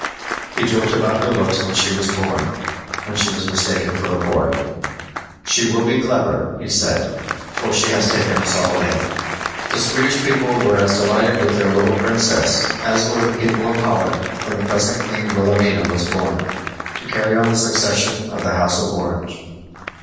He joked about her looks when she was born, when she was mistaken for a boy. "She will be clever," he said, "for she has taken us all in!" The Swedish people were as delighted with their little princess as were the people of Holland when the present Queen Wilhelmina was born, to carry on the succession of the House of Orange.